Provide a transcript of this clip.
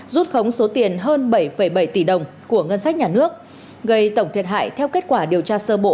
rút khống số tiền hơn bảy bảy tỷ đồng của ngân sách nhà nước gây tổng thiệt hại theo kết quả điều tra sơ bộ